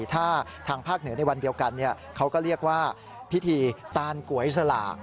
ถ้าทางภาคเหนือในวันเดียวกันเขาก็เรียกว่าพิธีตานก๋วยสลาก